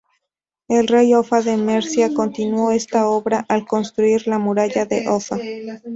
El rey Offa de Mercia continuó esta obra al construir la Muralla de Offa.